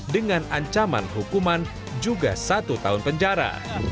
dengan ancaman hukuman juga satu tahun penjara